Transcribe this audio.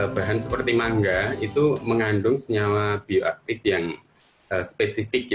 bahan seperti mangga itu mengandung senyawa bioaktif yang spesifik